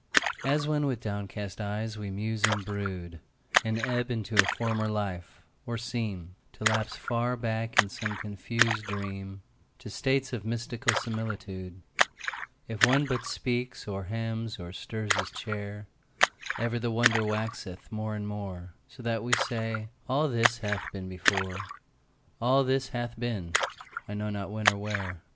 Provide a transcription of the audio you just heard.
As when with downcast eyes we muse and brood, And ebb into a former life, or seem To lapse far back in some confused dream To states of mystical similitude; If one but speaks or hems or stirs his chair, Ever the wonder waxeth more and more, So that we say, "All this hath been before, All this hath been, I know not when or where".